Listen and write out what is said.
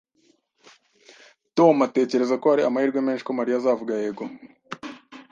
Tom atekereza ko hari amahirwe menshi ko Mariya azavuga yego